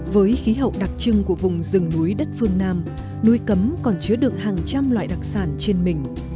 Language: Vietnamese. với khí hậu đặc trưng của vùng rừng núi đất phương nam núi cấm còn chứa được hàng trăm loại đặc sản trên mình